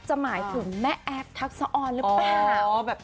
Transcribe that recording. หมายถึงแม่แอฟทักษะออนหรือเปล่า